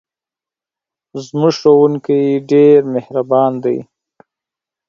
زموږ ښوونکی ډېر مهربان دی.